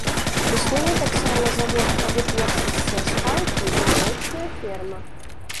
Існуе таксама завод па вытворчасці асфальту і малочная ферма.